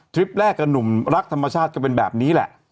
แรกกับหนุ่มรักธรรมชาติก็เป็นแบบนี้แหละ